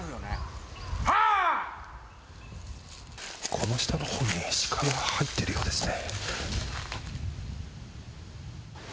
この下のほうにシカが入っているようですね。